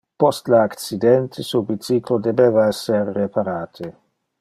Post le accidente, su bicyclo debeva ser reparate.